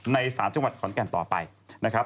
สารจังหวัดขอนแก่นต่อไปนะครับ